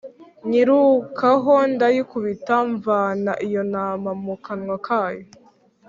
nyirukaho ndayikubita mvana iyo ntama mu kanwa kayo